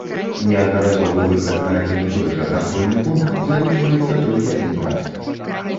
Неаднаразовы выхад на адзін і той жа кантрольны пункт залічваецца толькі адзін раз.